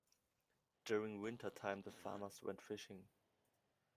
During wintertime the farmers went fishing.